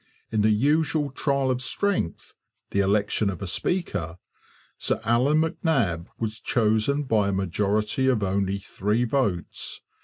In the usual trial of strength the election of a Speaker Sir Allan MacNab was chosen by a majority of only three votes.